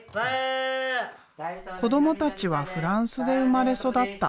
子どもたちはフランスで生まれ育った。